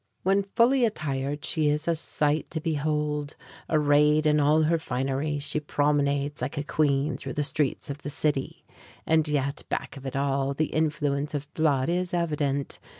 When fully attired, she is a sight to behold. Arrayed in all her finery, she promenades like a queen through the streets of the city; and yet, back of it all, the influence of blood is evident.